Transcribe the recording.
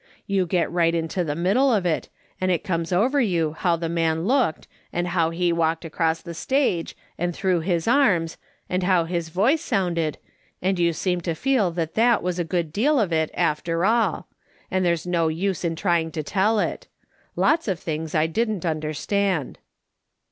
You get right into the middle of it, and it comes over you how the man looked, and how he walked across the stage, and threw his arms, and how his voice sounded, and you seem to feel that that was a good deal of it, after all ; and there's no use in trying to tell it. Lots of things I didn't understand.